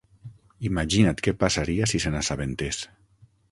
Imagina't què passaria si se n'assabentés.